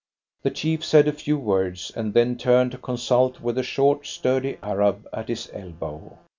The chief said a few words, and then turned to consult with a short, sturdy Arab at his elbow.